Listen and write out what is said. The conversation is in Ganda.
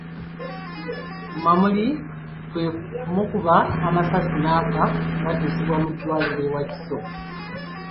Mamuli kwe kumukuba amasasi n'afa ng'addusibwa mu ddwaliro e Wakiso.